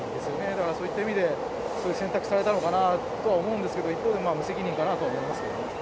だからそういった意味で、そういう選択されたのかなとは思うんですけど、一方でまあ、無責任かなと思いますけどね。